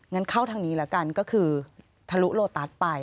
งั้นเข้าทางนี้แล้วกันก็คือทะลุโลตัสไป